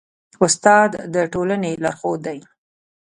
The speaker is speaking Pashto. استاد د ټولني لارښود دی.